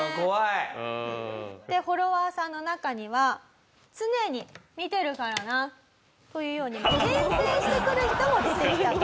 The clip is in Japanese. フォロワーさんの中には「常に見てるからな」というように牽制してくる人も出てきたと。